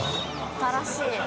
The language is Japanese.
新しい。